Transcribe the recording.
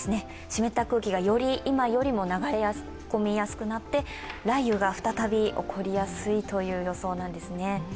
湿った空気が今よりも流れ込みやすくなって雷雨が再び起こりやすいという予想なんですね。